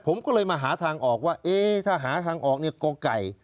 ผมก็เลยมาหาทางออกว่าถ้าหาทางออกเนี่ยก็ไก่